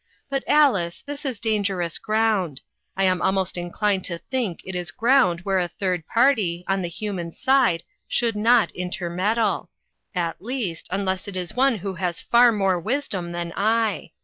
But Alice, this is dangerous ground. I am almost inclined to think it is ground where a third party, on the human side, should not intermeddle; at least, unless it is one who has far more wisdom than I.